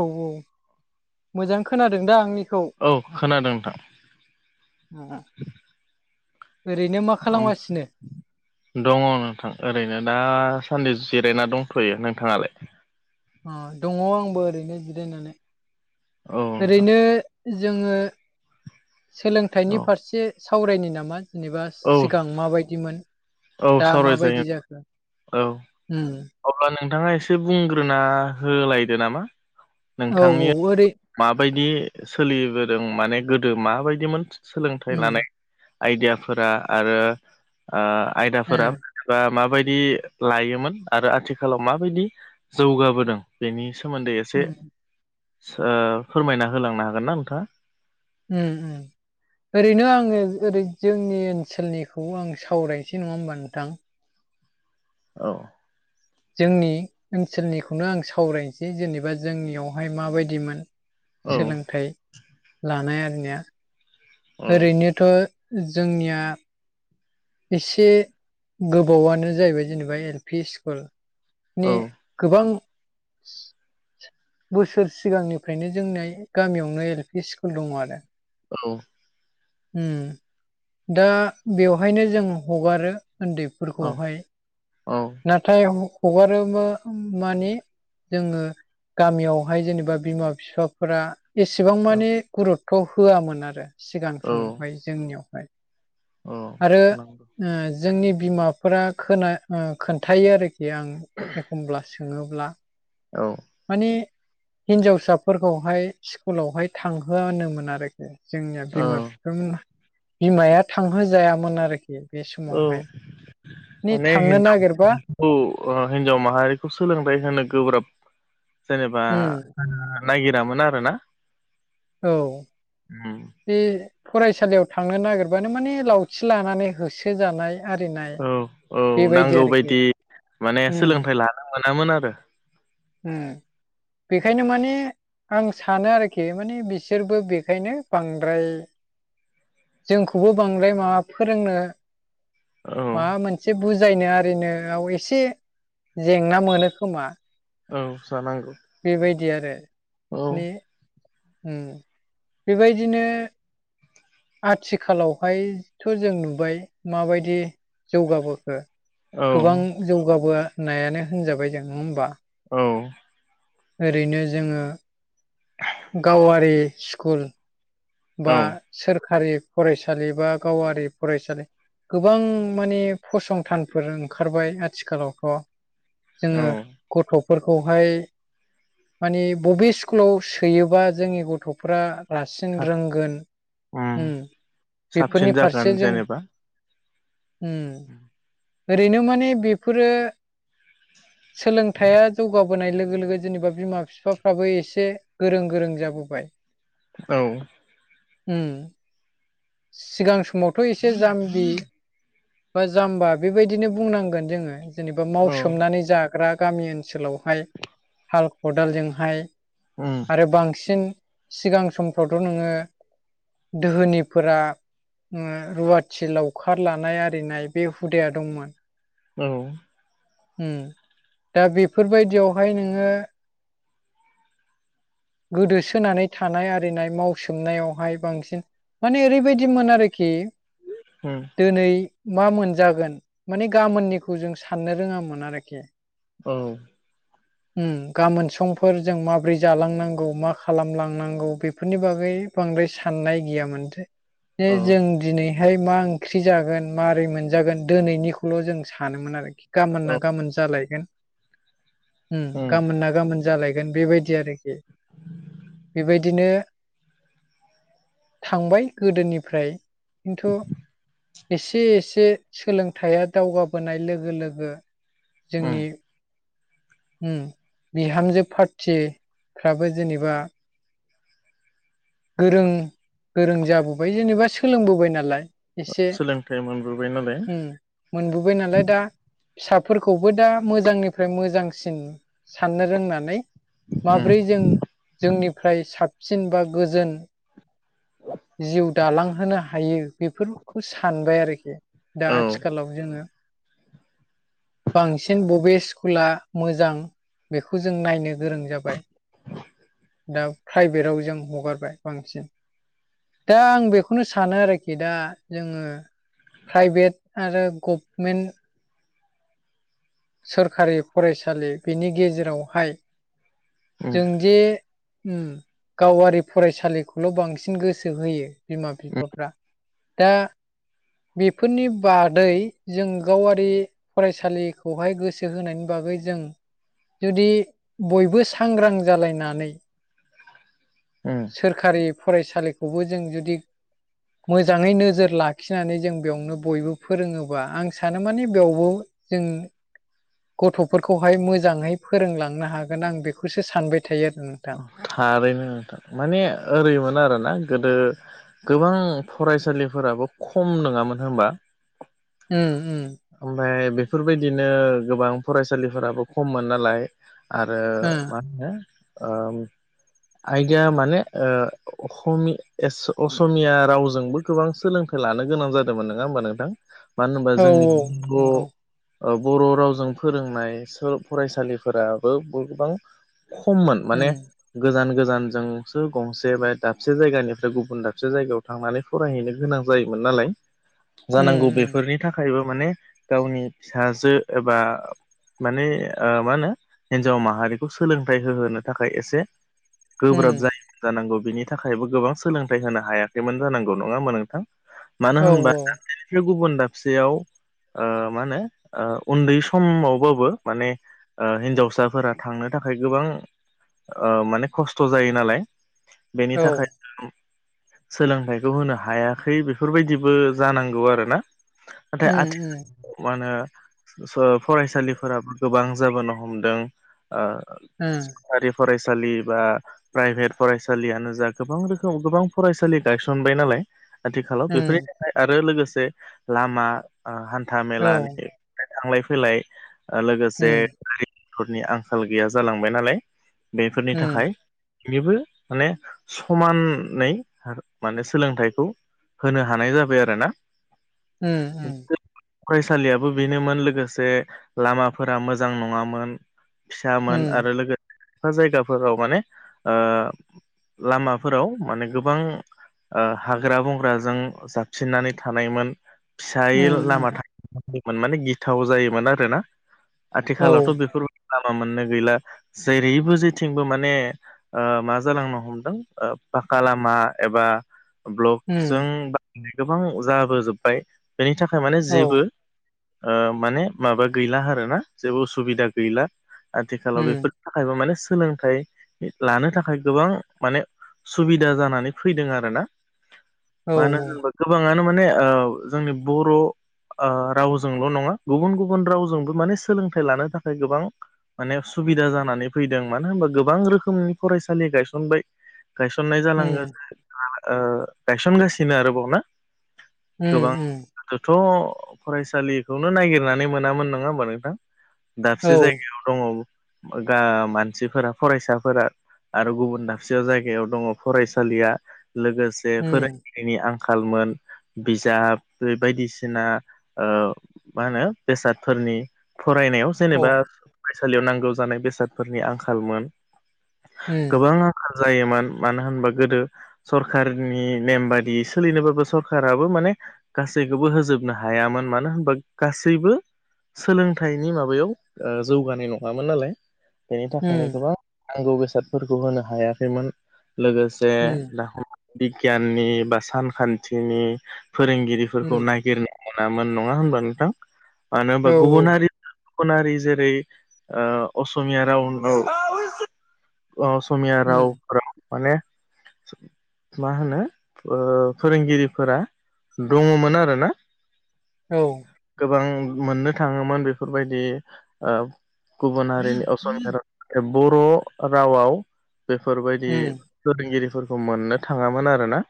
औ औ मोजां खोनादों दा आंनिखौ औ खोनादों नोंथां ओरैनो मा ओम खालामगासिनो दङ नोंथां ओरैनो दासान्दि जिरायना दंथ'यो नोंथाङालाय अ दङ आंबो ओरैनो जिरायनानै औ नोंथां ओरैनो जोङो सोलोंथाइनि औ फारसे सावरायनो नामा जेनेबा औ सिगां माबायदिमोन औ दा सावरायजायो माबायदि जाखो औ ओम अब्ला नोंथाङा एसे बुंग्रोना होलायदो नामा औ नोंथांनि औ ओरै माबायदि सोलिबोदों माने गोदो माबायदिमोन सोलोंथाइ उम लानाय आइदियाफोरा आरो ओ ओ आयदाफोरा बा माबायदि लायोमोन आरो आथिखालाव माबायदि जौगाबोदों बेनि सोमोन्दै एसे उम फोरमायना ओ होलांनो हागोन ना नोंथाङा उम उम ओरैनो आङो ओरै जोंनि ओनसोलनिखौ आं सावरायनोसै नङा होमबा नोंथां औ जोंनि ओनसोलनिखौनो आं सावरायनोसै जेनेबा जोंनियावहाय माबायदिमोन औ सोलोंथाइ लानाय आरनिया औ ओरैनो थ' जोंनिया एसे गोबावनो जाहैबाय जेनेबा एल पि स्कुलनि गोबां बोसोर सिगांनिफ्रायनो जोंनि गामियावनो एल पि स्कुल दङ आरो औ ओम दा बेवहायनो जों हगारो उन्दैफोरखौहाय औ नाथाय हगारोबा माने जोङो गामियावहाय जेनेबा बिमा बिफाफोरा एसेबां औ माने गुरुत्थ' होआमोन आरो सिगां औ समावहाय जोंनियावहाय औ आरो नंगौ ओ जोंनि बिमाफोरा खोना ओ खोन्थायो आरोखि खि आं एखमब्ला सोङोब्ला औ माने हिनजावसाफोरखौहाय स्कुलावहाय थांहोआनोमोन आरो जोंनिया औ बिमा बिफामोन बिमाया थांहोजायामोन आरोखि बे औ समावहाय नै माने थांनो हिनजावखौ नागिरबा हिनजाव माहारिखौ सोलोंथाइ होनो गोब्राब जेनेबा उम ओ नायागिरामोन आरो ना। औ बे फरायसालियाव थांनो नागिरबानो माने लावथि लानानै होसो जानाय आरिनाय औ औ बेबायदि नांगौ आरोखि बायदि माने उम सोलोंथाइ लानो मोनामोन आरो। बेखायनो माने आं सानो आरोखि माने बिसोरबो बेखायनो बांद्राय जोंखौबो बांद्राय माबा फोरोंनो औ माबा मोनसे बुजायनो आरिनोाव एसे जेंना मोनो खोमा। औ जानांगौ। बेबायदि आरो औ माने उम बेबायदिनो आथिखालावहायथ' जों नुबाय माबायदि जौगाबोखो औ गोबां जौगाबोनायानो होनजाबाय जों नङा होमबा? औ ओरैनो जोङो गावारि स्कुल बा औ सोरखारि फरायसालि बा गावारि फरायसालि गोबां माने फसंथानफोर ओंखारबाय आथिखालावथ'। औ जोङो गथ'फोरखौहाय माने बबे स्कुलाव सोयोबा जोंनि गथ'फ्रा रासिन‌ सिन था रोंगोन उम बेफोरनि साबसिन फारसे जागोन जों जेनेबा उम [inaudible] ओरैनो माने बेफोरो सोलोंथाइया जौगाबोनाय लोगो लोगो जेनेबा बिमा बिफाफ्राबो एसे गोरों गोरों जाबोबाय। औ उम सिगां समावथ' एसे जाम्बि बा जाम्बा बेबायदिनो बुंनांगोन जोङो जेनेबा औ मावसोमनानै जा ग्रा गामि ओनसोलावहाय हाल खदालजोंहाय उम आरो बांसिन सिगां समफ्रावथ' नोङो दोहोनाफोरा रुवाथि लावखार लानाय आरि नाय बे हुदाया दंमोन। औ उम दा बेफोरबायदियावहाय नोङो [inaudible] गोदोसोनानै थानाय आरिनाय मावसोमनायावहाय बांसिन माने ओरैबायदिमोन आरोखि उम दिनै मा मोनजागोन माने गाबोननिखौ जों साननो रोङामोन आरोखि। औ गाबोन समफोरजों माबोरै जालांनांगौ मा खालामलांनांगौ बेफोरनि बागै बांद्राय साननाय गैयामोनसै जे औ जों दिनैहाय मा ओंख्रि जागोन माबारै मोनजागोन दिनैनिखौल' जों सानोमोन आरोखि गाबोन औ ना गाबोन जालायगोन। उम गाबोन ना गाबोन जालायगोन बेबायदि आरोखि बेबायदिनो थांबाय गोदोनिफ्राय खिन्थु एसे एसे सोलोंथाइया दावगाबोनाय लोगो लोगो उम जोंनि बिहामजो पार्टिफ्राबो जेनेबा गोरों गोरों जाबोबाय जेनेबा सोलोंबोबाय नालाय एसे सोलोंथाइ मोनबोबाय नालाय उम मोनबोबाय नालाय दा फिसाफोरखौबो दा मोजांनिफ्राय मोजांसिन साननो रोंनानै उम माब्रै जों जोंनिफ्राय साबसिन बा गोजोन [inaudible] जिउ दालांहोनो हायो बेफोरखौ सानबाय आरोखि दा औ आथिखालाव जोङो बांसिन बबे स्कुला मोजां बेखौ जों नायनो गोरों जाबाय दा प्राइभेटाव जों हगारबाय बांसिन दा आं बेखौनो सानो आरोखि दा जोङो प्राइभेट आरो गभमेन्ट सोरखारि फरायसालि बिनि गेजेरावहाय उम जोंदि उम गावारि फरायसालिखौल' बांसिन गोसो होयो। बिमा बिफाफ्रा दा बेफोरनि बादै जों गावारि फरायसालिखौहाय गोसो होनायनि बागै जों जुदि बयबो सा सांग्रां जालायनानै उम सोरखारि फरायसालिखौबो जों जुदि मोजाङै नोजोर लाखिनानै जों बेयावनो बयबो फोरोङोबा आं सानो माने बेयावबो जों गथ'फोरखौहाय मोजाङै फोरोंलांनो हागोन आं बेखौसो सानबाय थायो आरो नोंथां। थारैनोथां माने ओरैमोन आरोना गोदो गोबां फरायसालिफोराबो खम नङामोन हबा? ओं उम ओमफ्राय बेफोरबायदिनो गोबां फरायसालिफोराबो खममोन नालाय आरो मा होनो ओम आयदाया माने ओ अखमि एस असमिया रावजोंबो गोबां सोलों थाइ लानो गोनां जादोंमोन नङा होमबा नोंथां मानो होनबा ओ औ जोंनि'ब नंगौ ओ बर' रावजों फोरोंनाय सो फरायसालिफोराबो गोबां खममोन माने उम गोजान गोजानजोंसो गंसे बा दाबसे जायगानिफ्राय गुबुन दाबसे जायगायाव थांनानैै फरायहैनो गोनां जायोमोन नालाय उम जानांगौ उम बेफोरनि थाखायबो माने गावनि फिसाजो एबा माने ओ मा होनो हिनजाव माहारिखौ सोलोंथाइ होहोनो थाखाय एसे उम गोब्राब जायो। जानांगौ बिनि थाखायबो गोबां सोलोंथाइ होनो हायाखैमोन जानांगौ नङा होनबा नोंथां। मानो औ होनबा औ दाबसेनिफ्राय गुबुन दाबसेयाव ओ मा होनो उन्दै समावबाबो माने ओ हिनजावसाफोरा थांनो थाखाय गोबां ओ माने खस्थ' जायो नालाय बेनि औ थाखाय सोलोंथाइखौ होनो हायाखै बेफोरबायदिबो जानांगौ आरो ना नाथाय उम उम आथिखालाव मा होनो स फरायसालिफोराबो गोबां जाबोनो हमदों ओ ओं आरि फरायसालि बा प्राइभेट फरायसालियानो जा गोबां रोखोम गोबां फरायसालि गायसनबाय नालाय आथिखालाव बेफोरनि उम थाखाय आरो लोगोसे लामा ओ हान्था औ मेलानि थांलाय फैलाय ओ-लोगोसे उम गारि मथरनि आंखाल गैया जालांबाय नालाय। बेफोरनि उम थाखाय। बेबो माने समानै माने सोलोंथाइखौ। होनो हानाय जाबाय आरो ना ओम। फरायसालियाबो बेनोमोन लोगोसे लामाफोरा मोजां नङामोन। फिसामोन उम आरो लोगो खायफा जायगाफोराव माने ओ-लामाफोराव माने गोबां हाग्रा बंग्राजों जाबसिननानै थानायमोन। फिसायै उम उम लामा जायोमोन माने गिथाव जायोमोन आरोना। औ आथिखालावथ' बेफोरबाय लामा मोननो गैला जेरैबो जेथिंबो माने ओ-मा जालांनो हमदों ओ-फाका लामा एबा ब्लकजों उम बनाय गोबां जाबोजोब्बाय बेनि थाखाय माने औ जेबो ओ-माने माबा गैला आरोना जेबो उसुबिदा गैला आथिखालाव उम बेफोर थाखायबो माने सोलोंथाइ लानो थाखाय गोबां माने सुबिदा जानानै फैदों आरोोना औ मानो होनोबा गोबाङानो माने ओ-जोंनि बर' ओ-रावजोंल' नङा गुबुन गुबुन रावजोंबो माने सोलोंथाइ लानो थाखाय गोबां माने सुबिदा जानानै फैदों। मानो होनबा गोबां रोखोमनि फरायसालि गायसनबाय गायसननाय उम जालांगा ओ-गायसन गासिनो आरो बावना? उम उम गोदोथ' फरायसालिखौनो नायगिरनानै मोनामोन नङा होमबा नोंथां? औ दाबसे जायगायाव दङ गा- मानसिफोरा फरायसाफोरा। आरो गुबुन दाबसेयाव जायगायाव दङ फरायसालिया लोगोसे उम फोरोंगिरि नि आंखालमोन। बिजाब बे बायदिसिना ओ- मा होनो बेसादफोरनि फरायनायाव औ जेनेबा फरायसालियाव नांगौ जानाय बेसादफोरनि आंखालमोन उम गोबां। गोजान जायोमोन मानो होनबा गोदो सरखारनि नेम बादिय सोलिनोबो सरखाराबो माने गासैखौबो होजोबनो हायामोन मानो होनबा गासैबो सोलोंथाइनि माबायाव ओ-जौगानाय नङामोन नालाय। बेनि थाखायनो उम गोबां नांगौ बेसादफोरखौ होनो हायाखैमोन लोगोस से उम बिगियाननि बा सानखान्थिनि फोरोंगिरि फोर उम नायगिरना मोनामोन नङा होनबा नोंथां? मानो औ होनबा गुबुन हारि गुबुनारि जेरै असमिया राव ओ- अ-असमिया उम रावफोराव माने मा होनो ओ-फोरोंगिरिफोरा दङमोन आरोना औ गोबां मोननो थाङोमोन बेफोरबायदि ओ - गुबुन हारिनि असमिया राव ए-बर' रावआव बेफोरबायदि उम फोरोंगिरिफोरखौ मोननो थाङामोन आरोना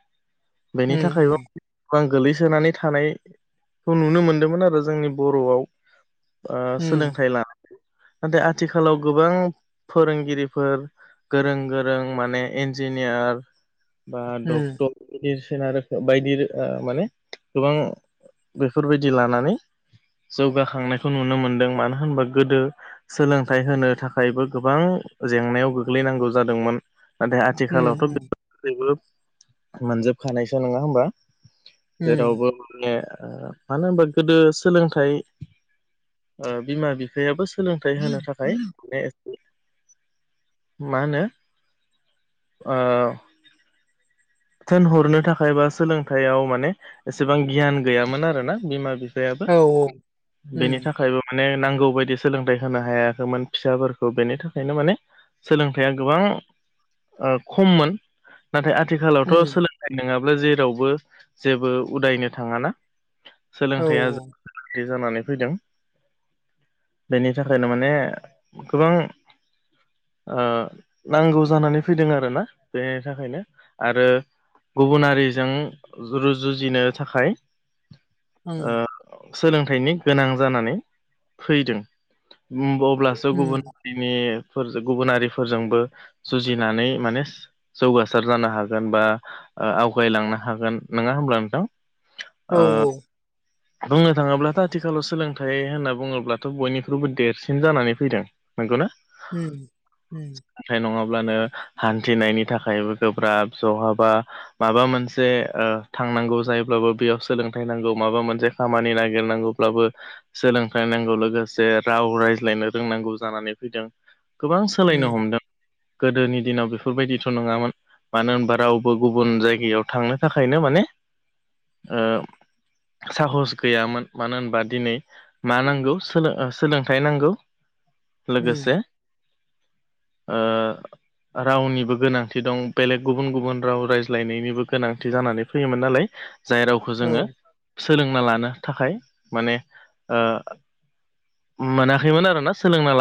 उम बेनि थाखायबो गोबां गोलैसोनानै थानायखौ नुनो मोनदोंमोन आरो जोंनि बर'आव। ओ-सोलोंथाइ लानाय नाथाय आथिखालाव गोबां फोरोंगिरिफोर गोरों गोरों माने इन्जिनियार बा उम डक्टर बायदिसिना रोखोम बायदि ओ-माने गोबां बेफोरबायदि दि लानानै जौगाखांनायखौ नुनो मोनदों मानो होनबा गोदो सोलोंथाइ होनो थाखायबो गोबां जेंनायाव गोग्लैनांगौ जादोंमोन। नाथाय आथिखालावथ' उम उम औ बे जेबो मोनजोबखानायसो नङा होमबा? उम जेरावबो माने ओ मानो होनबा गोदो सोलोंथाइ ओ बिमा बिफायाबो सो सोलोंथाइ होनो थाखाय [unintelligible] मा होनो ओ थोनहरनो थाखायबा सोलोंथाइयाव माने एसेबां गियान गैयामोन आरोना बिमा -बिफ फायाबो उम औ उम औ उम बेनि थाख खायबो माने नांगौ बायदि सोलोंथाइ होनो हायाखैमोन फिसाफोरखौ बेनि थाखायनो माने सोलोंथाइया गोबां ओ खममोन नाथाय आथिखालाव थ' सोलोंनाय नोङाब्ला जेरावबो जेबो उदायनो थाङाना सोलोंथाइया [unintelligible] जानानै फैदों। बेनि थाखायनो माने गोबां ओ नांगौ जानानै फैदों आरोना बेनि थाखायनो आरो गुबुनारिजों रुजुजिनो थाखाय ओ [unintelligible] सोलोंथाइनि गोनां जानानै फैदों उम अब्लासो गुबुन [unintelligible] गुबुनारिफोरजोंबो जुजिनानै मानेस जौगासार जानो हागोन बा ओ आवगायलांनो हागोन नोङा होमब्ला नोंथां ओ बुंनो थाङोब्लाथ' आथिखालाव सोलोंथाइ होनना बुङोब्लाथ' बयनिख्रुइबो देरसिन जानानै फैदों नोंगौ ना उम-उम। नाथाय नङाब्लानो हान्थिनायनि थाखायबो गोब्राब जहाबा माबा मोनसे ओ थांनांगौ जायोब्लाबो बेयाव सोलोंथाइ नांगौ माबा मोनसे खामानि नागिरनांगौ ब्लाबो सोलोंथाइ नांगौ लोगोसे राव रायज्लायनो रोंनांगौ जानानै फैदों। गोबां सोलायनो हमदों गोदोनि दिनाव बेफोरबायदिथ' नङामोन मानो होनबा राव बो गुबुन जायगायाव थांनो थाखायनो माने ओम साहस गैयामोन मानो होनबा दिनै मा नांगौ सोलो ओ सोलोंथाइ नांगौ उम लोगोसे ओ रावनिबो गोनांथि दं बेलेग गुबुन गुबुन राव रायज्लायनायनिबो गोनांथि जानानै फैयोमोन नालाय जाय रावखो उम औ जोङो सोलोंना लानो थाखाय माने ओ मोनाखैमोन आरोना सोलोंना ला